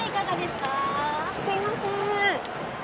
すいません。